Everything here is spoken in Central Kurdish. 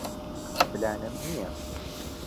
پلانم نییە.